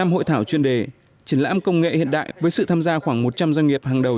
năm hội thảo chuyên đề triển lãm công nghệ hiện đại với sự tham gia khoảng một trăm linh doanh nghiệp hàng đầu